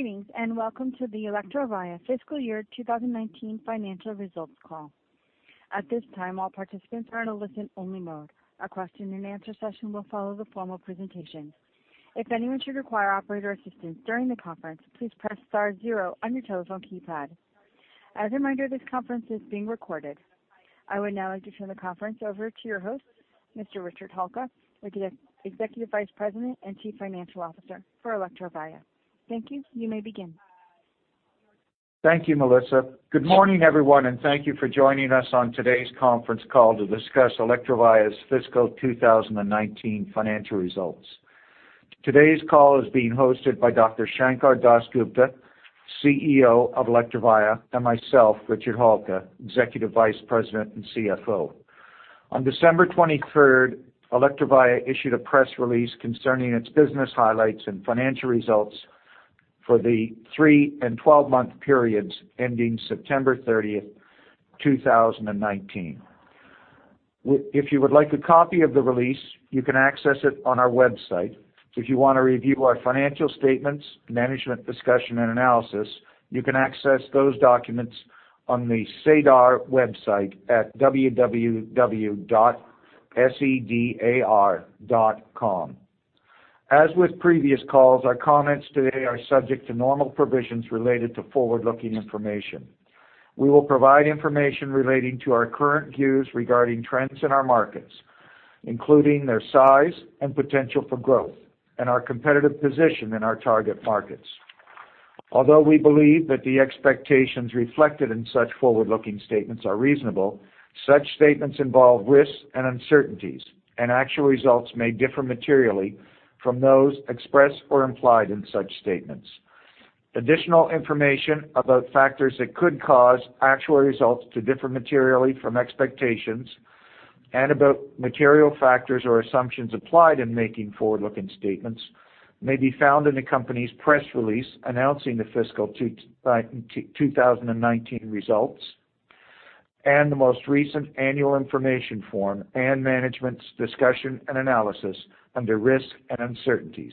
Greetings, and welcome to the Electrovaya Fiscal Year 2019 Financial Results Call. At this time, all participants are in a listen-only mode. A question and answer session will follow the formal presentation. If anyone should require operator assistance during the conference, please press star zero on your telephone keypad. As a reminder, this conference is being recorded. I would now like to turn the conference over to your host, Mr. Richard Halka, Executive Vice President and Chief Financial Officer for Electrovaya. Thank you. You may begin. Thank you, Melissa. Good morning, everyone, and thank you for joining us on today's conference call to discuss Electrovaya's fiscal 2019 financial results. Today's call is being hosted by Dr. Sankar Das Gupta, CEO of Electrovaya, and myself, Richard Halka, Executive Vice President and CFO. On December 23rd, Electrovaya issued a press release concerning its business highlights and financial results for the three- and 12-month periods ending September 30th, 2019. If you would like a copy of the release, you can access it on our website. If you want to review our financial statements, management discussion, and analysis, you can access those documents on the SEDAR website at www.sedar.com. As with previous calls, our comments today are subject to normal provisions related to forward-looking information. We will provide information relating to our current views regarding trends in our markets, including their size and potential for growth, and our competitive position in our target markets. Although we believe that the expectations reflected in such forward-looking statements are reasonable, such statements involve risks and uncertainties, and actual results may differ materially from those expressed or implied in such statements. Additional information about factors that could cause actual results to differ materially from expectations and about material factors or assumptions applied in making forward-looking statements may be found in the company's press release announcing the fiscal 2019 results, and the most recent annual information form and Management's Discussion and Analysis under risks and uncertainties,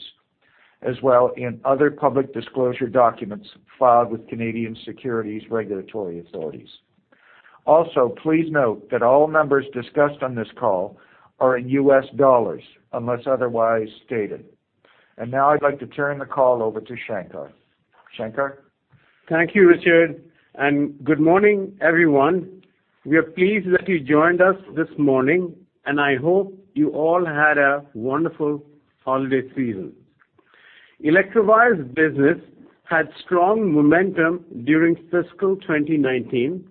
as well in other public disclosure documents filed with Canadian securities regulatory authorities. Please note that all numbers discussed on this call are in US dollars, unless otherwise stated. Now I'd like to turn the call over to Sankar. Sankar? Thank you, Richard, and good morning, everyone. We are pleased that you joined us this morning, and I hope you all had a wonderful holiday season. Electrovaya's business had strong momentum during fiscal 2019.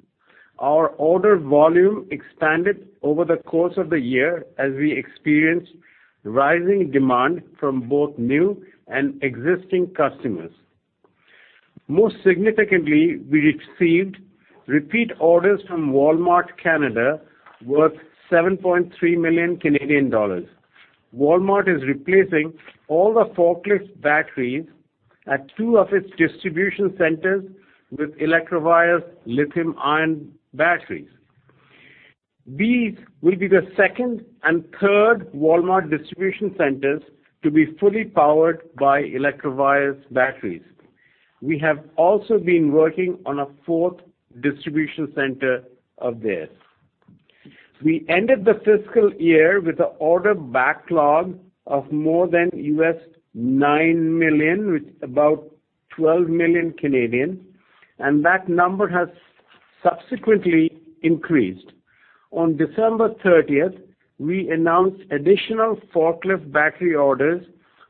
Our order volume expanded over the course of the year as we experienced rising demand from both new and existing customers. Most significantly, we received repeat orders from Walmart Canada worth 7.3 million Canadian dollars. Walmart is replacing all the forklift batteries at 2 of its distribution centers with Electrovaya's lithium-ion batteries. These will be the second and third Walmart distribution centers to be fully powered by Electrovaya's batteries. We have also been working on a fourth distribution center of theirs. We ended the fiscal year with an order backlog of more than $9 million, which is about 12 million, and that number has subsequently increased. On December 30th, we announced additional forklift battery orders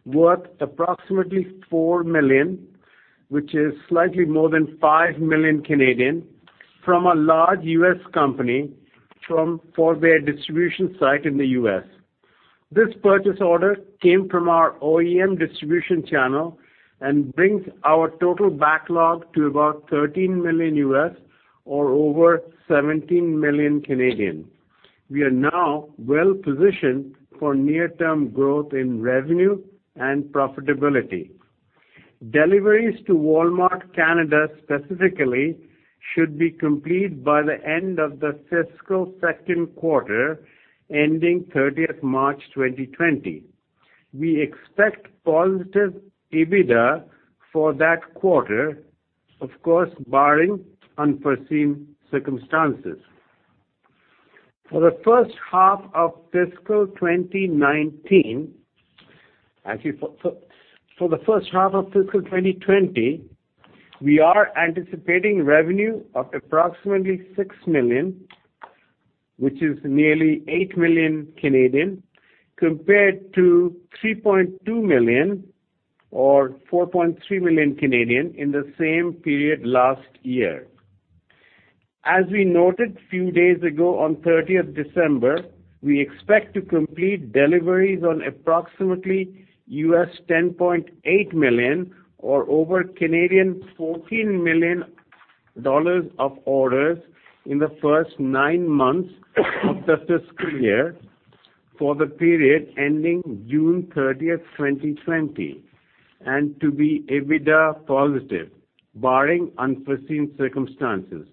worth approximately $4 million, which is slightly more than 5 million, from a large U.S. company for their distribution site in the U.S. This purchase order came from our OEM distribution channel and brings our total backlog to about $13 million or over 17 million. We are now well-positioned for near-term growth in revenue and profitability. Deliveries to Walmart Canada, specifically, should be complete by the end of the fiscal second quarter, ending March 30, 2020. We expect positive EBITDA for that quarter, of course, barring unforeseen circumstances. For the first half of fiscal 2020, we are anticipating revenue of approximately $6 million, which is nearly 8 million, compared to $3.2 million or 4.3 million in the same period last year. As we noted a few days ago on 30th December, we expect to complete deliveries on approximately $10.8 million or over 14 million dollars of orders in the first nine months of the fiscal year for the period ending June 30th, 2020, and to be EBITDA positive, barring unforeseen circumstances.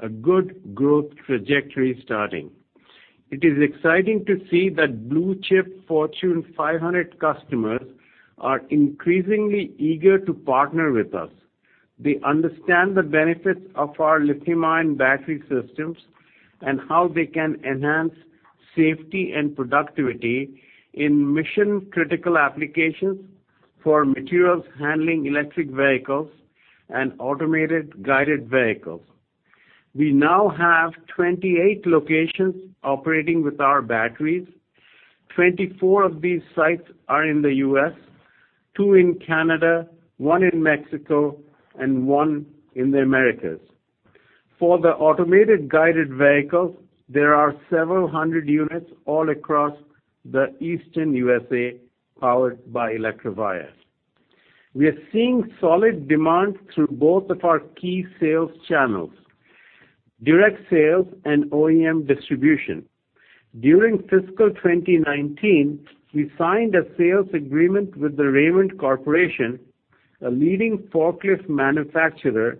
A good growth trajectory starting. It is exciting to see that blue-chip Fortune 500 customers are increasingly eager to partner with us. They understand the benefits of our lithium-ion battery systems and how they can enhance safety and productivity in mission-critical applications for materials handling electric vehicles and automated guided vehicles. We now have 28 locations operating with our batteries. 24 of these sites are in the U.S., two in Canada, one in Mexico, and one in the Americas. For the automated guided vehicles, there are several hundred units all across the Eastern U.S.A. powered by Electrovaya. We are seeing solid demand through both of our key sales channels, direct sales and OEM distribution. During fiscal 2019, we signed a sales agreement with The Raymond Corporation, a leading forklift manufacturer,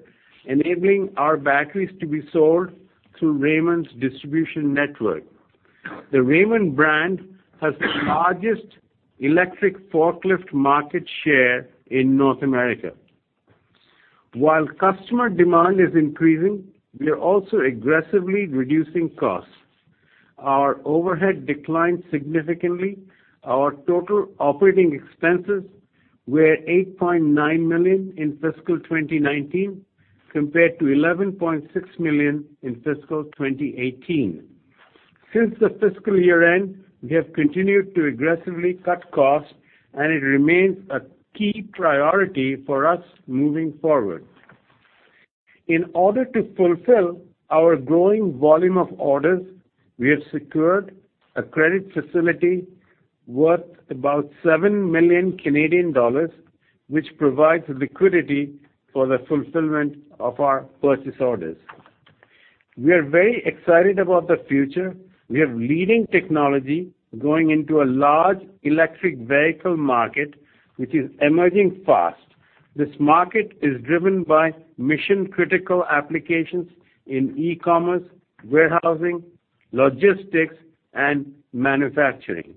enabling our batteries to be sold through Raymond's distribution network. The Raymond brand has the largest electric forklift market share in North America. While customer demand is increasing, we are also aggressively reducing costs. Our overhead declined significantly. Our total operating expenses were $8.9 million in fiscal 2019, compared to $11.6 million in fiscal 2018. Since the fiscal year-end, we have continued to aggressively cut costs, and it remains a key priority for us moving forward. In order to fulfill our growing volume of orders, we have secured a credit facility worth about 7 million Canadian dollars, which provides liquidity for the fulfillment of our purchase orders. We are very excited about the future. We have leading technology going into a large electric vehicle market, which is emerging fast. This market is driven by mission-critical applications in e-commerce, warehousing, logistics, and manufacturing.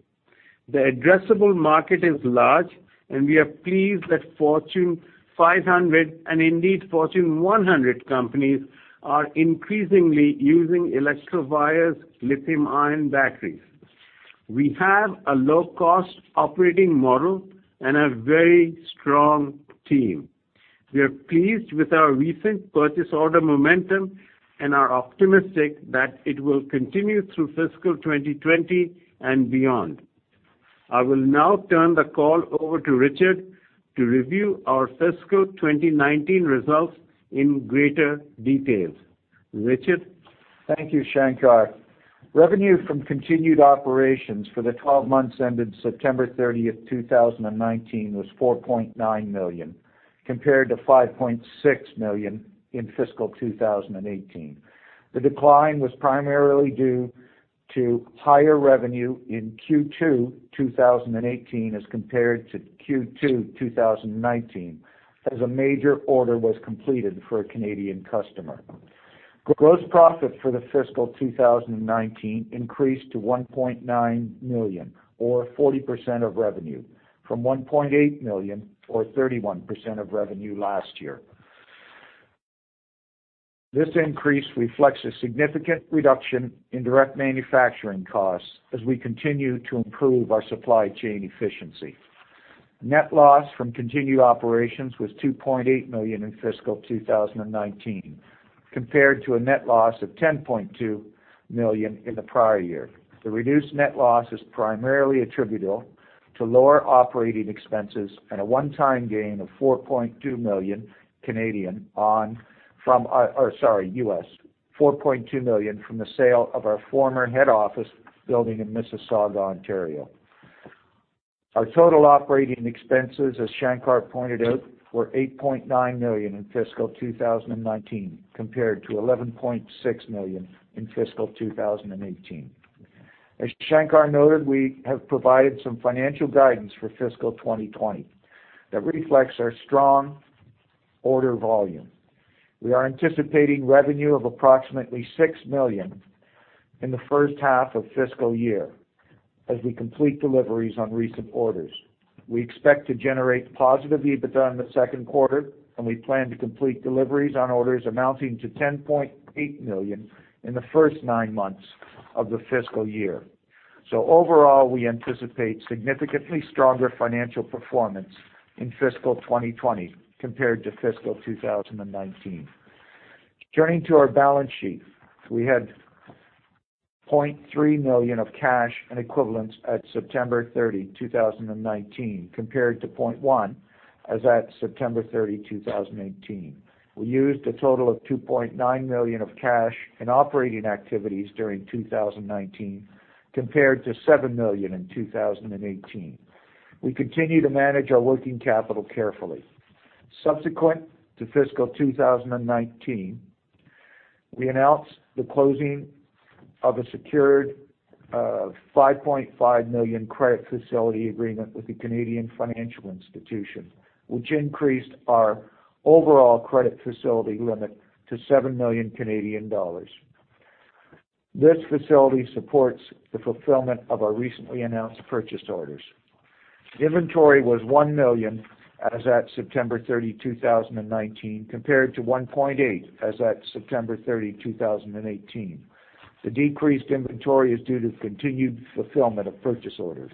The addressable market is large, and we are pleased that Fortune 500, and indeed, Fortune 100 companies, are increasingly using Electrovaya's lithium-ion batteries. We have a low-cost operating model and a very strong team. We are pleased with our recent purchase order momentum and are optimistic that it will continue through fiscal 2020 and beyond. I will now turn the call over to Richard to review our fiscal 2019 results in greater detail. Richard? Thank you, Sankar. Revenue from continued operations for the 12 months ended September 30th, 2019, was 4.9 million, compared to 5.6 million in fiscal 2018. The decline was primarily due to higher revenue in Q2 2018 as compared to Q2 2019, as a major order was completed for a Canadian customer. Gross profit for the fiscal 2019 increased to 1.9 million, or 40% of revenue, from 1.8 million, or 31% of revenue last year. This increase reflects a significant reduction in direct manufacturing costs as we continue to improve our supply chain efficiency. Net loss from continued operations was 2.8 million in fiscal 2019, compared to a net loss of 10.2 million in the prior year. The reduced net loss is primarily attributable to lower operating expenses and a one-time gain of $4.2 million on from Sorry, US. 4.2 million from the sale of our former head office building in Mississauga, Ontario. Our total operating expenses, as Sankar pointed out, were 8.9 million in fiscal 2019, compared to 11.6 million in fiscal 2018. As Shankar noted, we have provided some financial guidance for fiscal 2020 that reflects our strong order volume. We are anticipating revenue of approximately 6 million in the first half of fiscal year as we complete deliveries on recent orders. We expect to generate positive EBITDA in the second quarter, and we plan to complete deliveries on orders amounting to 10.8 million in the first nine months of the fiscal year. Overall, we anticipate significantly stronger financial performance in fiscal 2020 compared to fiscal 2019. Turning to our balance sheet, we had 0.3 million of cash and equivalents at September 30, 2019, compared to 0.1 million as at September 30, 2018. We used a total of $2.9 million of cash in operating activities during 2019, compared to $7 million in 2018. We continue to manage our working capital carefully. Subsequent to fiscal 2019, we announced the closing of a secured $5.5 million credit facility agreement with the Canadian financial institution, which increased our overall credit facility limit to 7 million Canadian dollars. This facility supports the fulfillment of our recently announced purchase orders. Inventory was $1 million as at September 30, 2019, compared to $1.8 million as at September 30, 2018. The decreased inventory is due to continued fulfillment of purchase orders.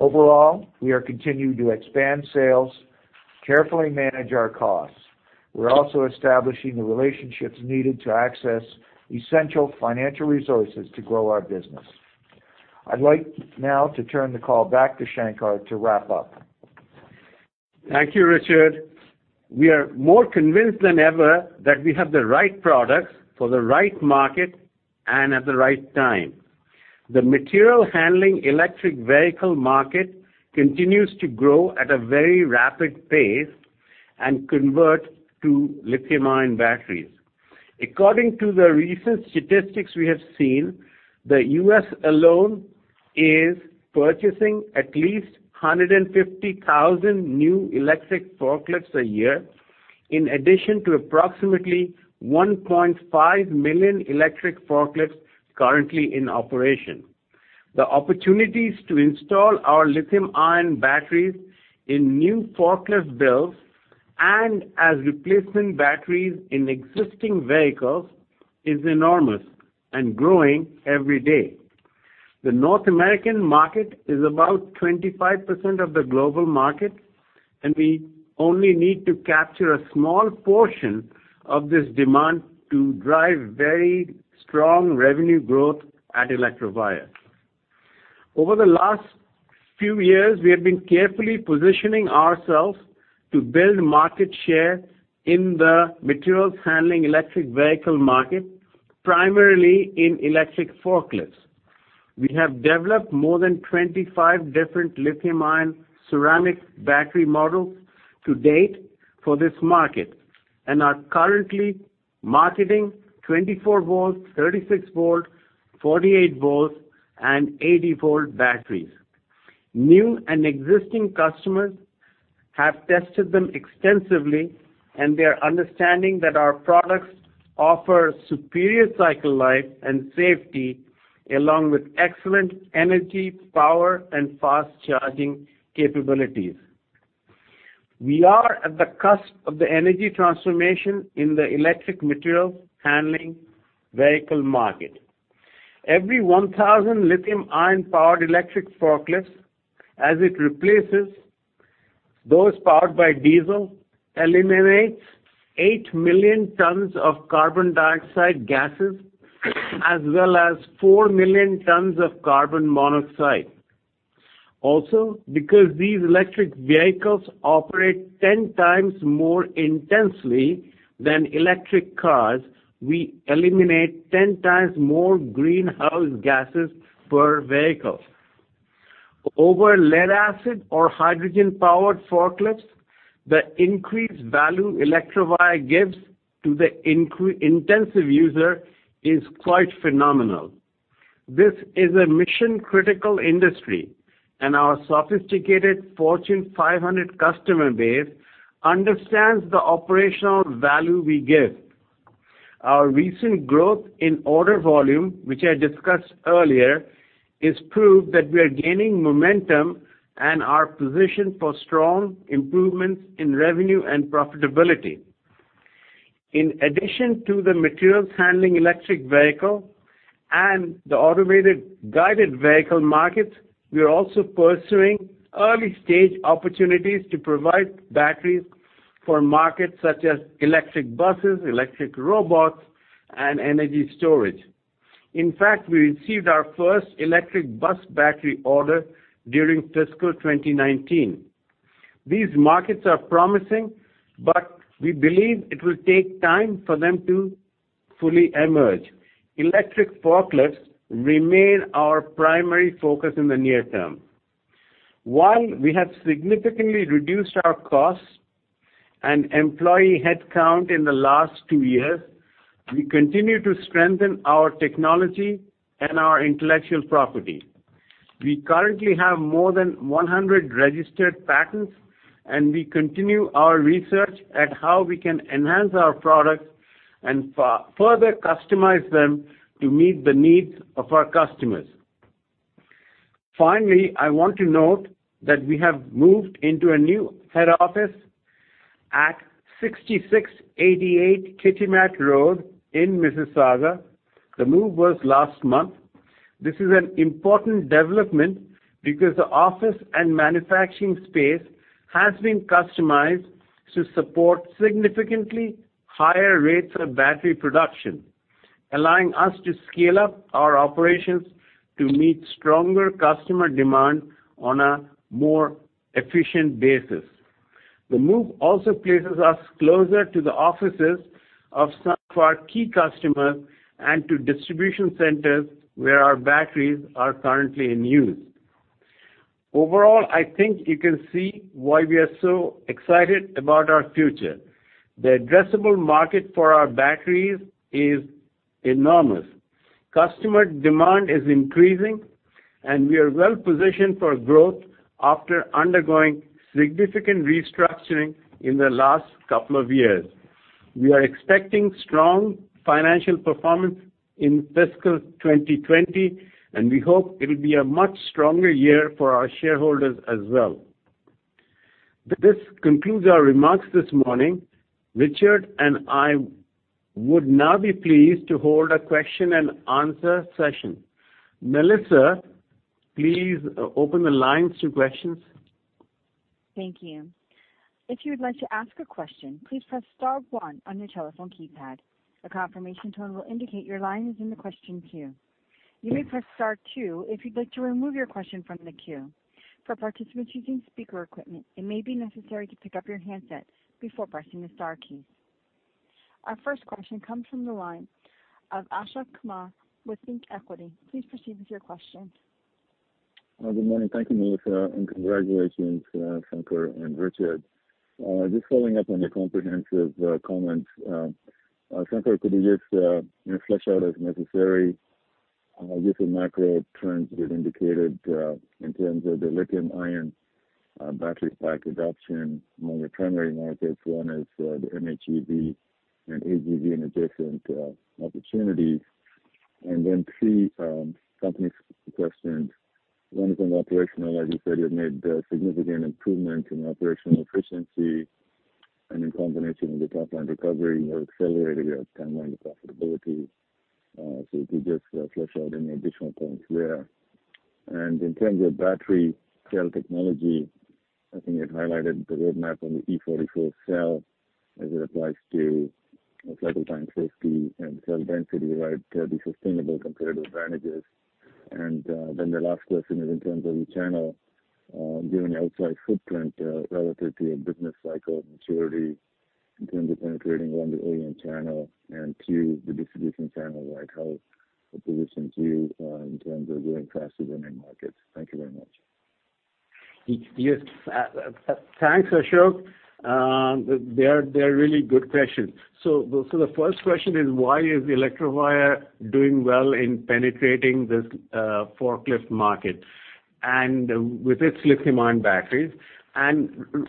Overall, we are continuing to expand sales, carefully manage our costs. We're also establishing the relationships needed to access essential financial resources to grow our business. I'd like now to turn the call back to Sankar to wrap up. Thank you, Richard. We are more convinced than ever that we have the right products for the right market and at the right time. The material handling electric vehicle market continues to grow at a very rapid pace and convert to lithium-ion batteries. According to the recent statistics we have seen, the U.S. alone is purchasing at least 150,000 new electric forklifts a year, in addition to approximately 1.5 million electric forklifts currently in operation. The opportunities to install our lithium-ion batteries in new forklift builds and as replacement batteries in existing vehicles is enormous and growing every day. The North American market is about 25% of the global market, and we only need to capture a small portion of this demand to drive very strong revenue growth at Electrovaya. Over the last few years, we have been carefully positioning ourselves to build market share in the materials handling electric vehicle market, primarily in electric forklifts. We have developed more than 25 different lithium-ion ceramic battery models to date for this market and are currently marketing 24 volts, 36 volts, 48 volts, and 80 volt batteries. New and existing customers have tested them extensively, and they're understanding that our products offer superior cycle life and safety along with excellent energy, power, and fast-charging capabilities. We are at the cusp of the energy transformation in the electric materials handling vehicle market. Every 1,000 lithium-ion-powered electric forklifts, as it replaces those powered by diesel, eliminates 8 million tons of carbon dioxide gases, as well as 4 million tons of carbon monoxide. Also, because these electric vehicles operate 10 times more intensely than electric cars, we eliminate 10 times more greenhouse gases per vehicle. Over lead acid or hydrogen-powered forklifts, the increased value Electrovaya gives to the intensive user is quite phenomenal. This is a mission-critical industry, and our sophisticated Fortune 500 customer base understands the operational value we give. Our recent growth in order volume, which I discussed earlier, is proof that we are gaining momentum and are positioned for strong improvements in revenue and profitability. In addition to the materials handling electric vehicle and the automated guided vehicle markets, we are also pursuing early-stage opportunities to provide batteries for markets such as electric buses, electric robots, and energy storage. In fact, we received our first electric bus battery order during fiscal 2019. These markets are promising, but we believe it will take time for them to fully emerge. Electric forklifts remain our primary focus in the near term. While we have significantly reduced our costs and employee headcount in the last two years, we continue to strengthen our technology and our intellectual property. We currently have more than 100 registered patents, and we continue our research at how we can enhance our products and further customize them to meet the needs of our customers. Finally, I want to note that we have moved into a new head office at 6688 Kitimat Road in Mississauga. The move was last month. This is an important development because the office and manufacturing space has been customized to support significantly higher rates of battery production, allowing us to scale up our operations to meet stronger customer demand on a more efficient basis. The move also places us closer to the offices of some of our key customers and to distribution centers where our batteries are currently in use. Overall, I think you can see why we are so excited about our future. The addressable market for our batteries is enormous. Customer demand is increasing. We are well positioned for growth after undergoing significant restructuring in the last couple of years. We are expecting strong financial performance in fiscal 2020, and we hope it will be a much stronger year for our shareholders as well. This concludes our remarks this morning. Richard and I would now be pleased to hold a question and answer session. Melissa, please open the lines to questions. Thank you. If you would like to ask a question, please press star one on your telephone keypad. A confirmation tone will indicate your line is in the question queue. You may press star two if you'd like to remove your question from the queue. For participants using speaker equipment, it may be necessary to pick up your handset before pressing the star key. Our first question comes from the line of Ashok Kumar with ThinkEquity. Please proceed with your questions. Good morning. Thank you, Melissa, and congratulations, Sankar and Richard. Just following up on your comprehensive comments. Sankar, could you just flesh out as necessary different macro trends you've indicated in terms of the lithium-ion battery pack adoption among the primary markets, one is the MHEV and AGV and adjacent opportunities. Three company questions. One is on operational. As you said, you've made a significant improvement in operational efficiency and in combination with the top-line recovery, you have accelerated your timeline to profitability. If you could just flesh out any additional points there. In terms of battery cell technology, I think you had highlighted the roadmap on the EV44 cell as it applies to cycle time, safety, and cell density, right? The sustainable competitive advantages. The last question is in terms of your channel, given your outside footprint relative to your business cycle maturity in terms of penetrating one, the OEM channel and two, the distribution channel, right? How the position to you in terms of going across the winning markets? Thank you very much. Yes. Thanks, Ashok. They're really good questions. The first question is why is Electrovaya doing well in penetrating this forklift market and with its lithium-ion batteries?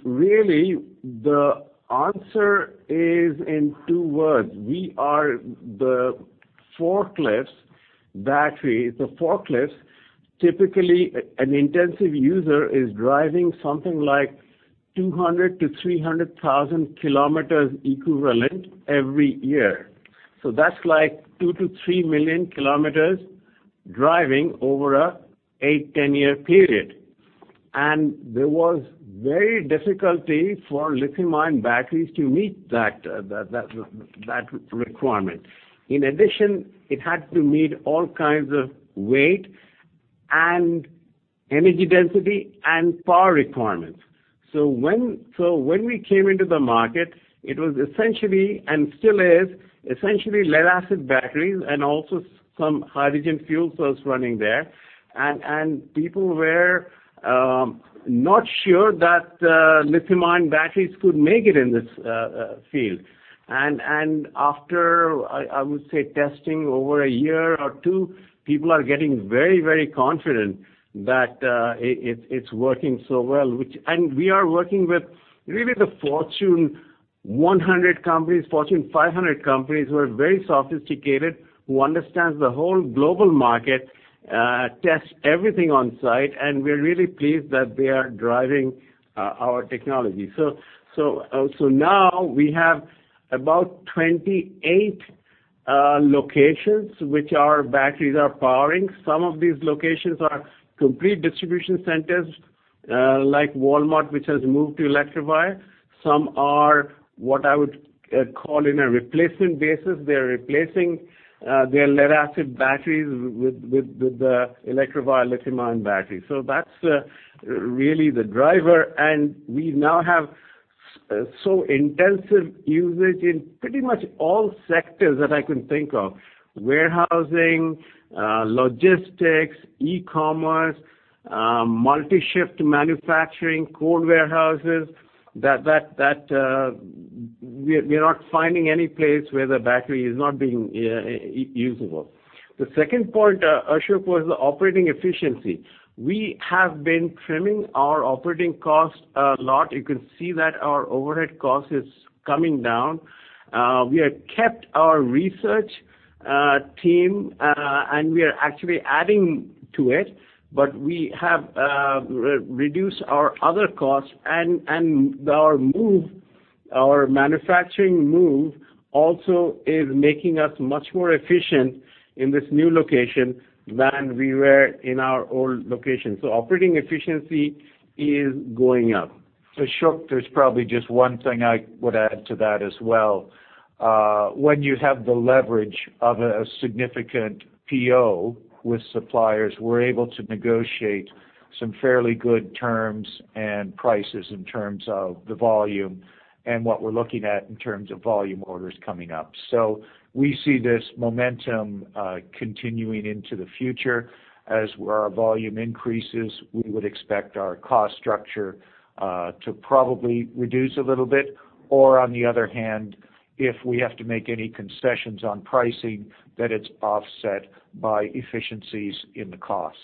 Really the answer is in two words: we are the forklift's battery. The forklift, typically an intensive user is driving something like 200,000 to 300,000 kilometers equivalent every year. That's like 2 million to 3 million kilometers driving over an eight, 10-year period. There was great difficulty for lithium-ion batteries to meet that requirement. In addition, it had to meet all kinds of weight and energy density and power requirements. When we came into the market, it was essentially, and still is essentially lead-acid batteries and also some hydrogen fuel cells running there. People were not sure that lithium-ion batteries could make it in this field. After, I would say testing over a year or two, people are getting very confident that it's working so well. We are working with really the Fortune 100 companies, Fortune 500 companies who are very sophisticated, who understand the whole global market, test everything on site, and we're really pleased that they are driving our technology. Now we have about 28 locations which our batteries are powering. Some of these locations are complete distribution centers like Walmart, which has moved to Electrovaya. Some are what I would call in a replacement basis. They're replacing their lead-acid batteries with the Electrovaya lithium-ion battery. That's really the driver. We now have so intensive usage in pretty much all sectors that I can think of, warehousing, logistics, e-commerce, multi-shift manufacturing, cold warehouses, that we're not finding any place where the battery is not being usable. The second point, Ashok, was the operating efficiency. We have been trimming our operating cost a lot. You can see that our overhead cost is coming down. We have kept our research team, and we are actually adding to it, but we have reduced our other costs, and our manufacturing move also is making us much more efficient in this new location than we were in our old location. Operating efficiency is going up. Ashok, there's probably just one thing I would add to that as well. When you have the leverage of a significant PO with suppliers, we're able to negotiate some fairly good terms and prices in terms of the volume and what we're looking at in terms of volume orders coming up. We see this momentum continuing into the future. As our volume increases, we would expect our cost structure to probably reduce a little bit, or on the other hand, if we have to make any concessions on pricing, that it's offset by efficiencies in the costs.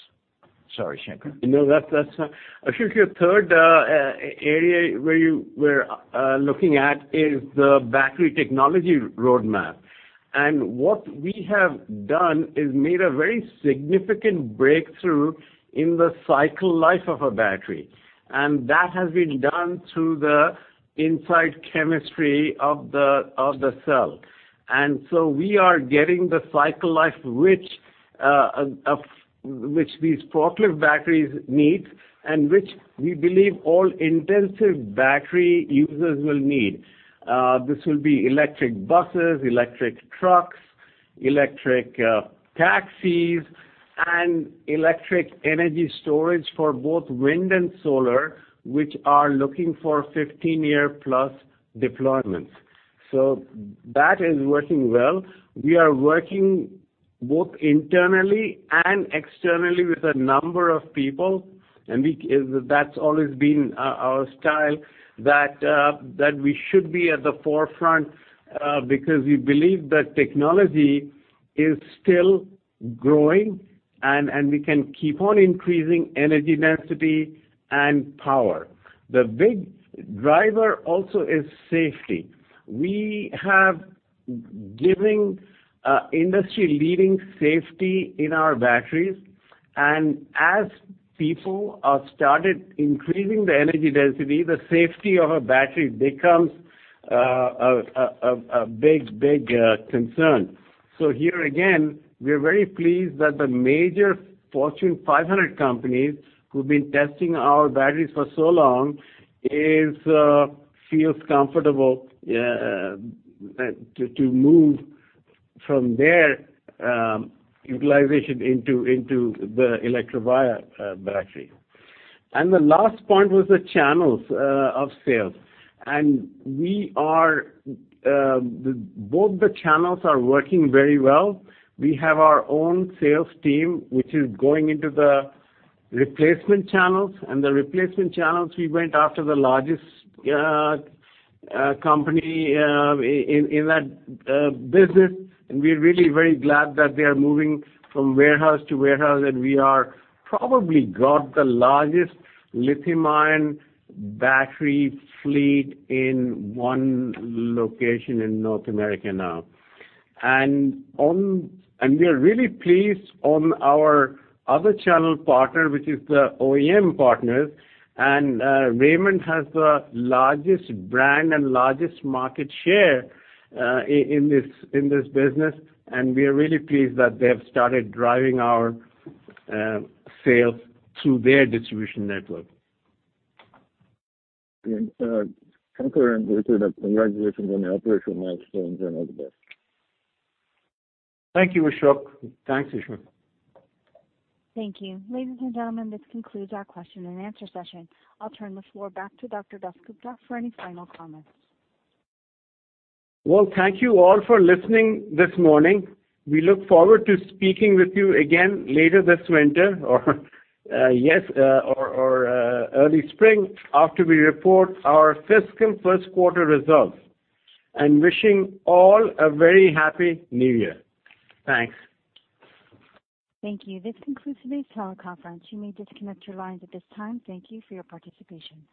Sorry, Sankar. No, that's fine. Ashok, your third area where you were looking at is the battery technology roadmap. What we have done is made a very significant breakthrough in the cycle life of a battery. That has been done through the inside chemistry of the cell. We are getting the cycle life which these forklift batteries need, and which we believe all intensive battery users will need. This will be electric buses, electric trucks, electric taxis, and electric energy storage for both wind and solar, which are looking for 15-year+ deployments. That is working well. We are working both internally and externally with a number of people, and that's always been our style, that we should be at the forefront, because we believe that technology is still growing and we can keep on increasing energy density and power. The big driver also is safety. We have given industry-leading safety in our batteries. As people have started increasing the energy density, the safety of a battery becomes a big concern. Here again, we are very pleased that the major Fortune 500 companies who've been testing our batteries for so long feel comfortable to move from their utilization into the Electrovaya battery. The last point was the channels of sales. Both the channels are working very well. We have our own sales team, which is going into the replacement channels. The replacement channels, we went after the largest company in that business. We're really very glad that they are moving from warehouse to warehouse, and we are probably got the largest lithium-ion battery fleet in one location in North America now. We are really pleased on our other channel partner, which is the OEM partners. Raymond has the largest brand and largest market share in this business, and we are really pleased that they have started driving our sales through their distribution network. Concurrently, congratulations on your operational milestones and all the best. Thank you, Ashok. Thanks, Ashok. Thank you. Ladies and gentlemen, this concludes our question and answer session. I'll turn the floor back to Dr. Das Gupta for any final comments. Well, thank you all for listening this morning. We look forward to speaking with you again later this winter or early spring after we report our fiscal first quarter results. Wishing all a very happy New Year. Thanks. Thank you. This concludes today's teleconference. You may disconnect your lines at this time. Thank you for your participation.